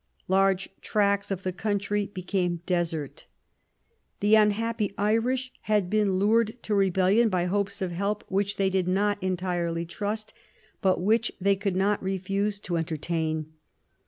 Large tracts of the country became desert. The unhappy Irish had been lured to rebellion by hopes of help, which they did not entirely trust, but which they could not refuse to entertain.